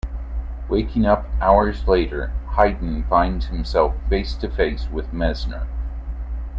Waking up hours later, Hayden finds himself face-to-face with Mezner.